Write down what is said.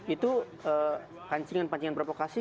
itu pancingan pancingan provokasi